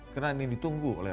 karena ini ditunggu oleh